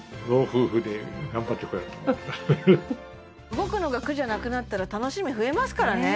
動くのが苦じゃなくなったら楽しみ増えますからね